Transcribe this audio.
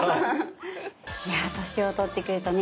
いや年を取ってくるとね